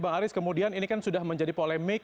bang aris kemudian ini kan sudah menjadi polemik